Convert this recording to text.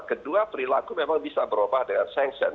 kedua perilaku memang bisa berubah dengan sanction